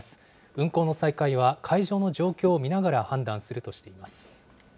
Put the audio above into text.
運航の再開は、海上の状況を見ながら判断するとしています。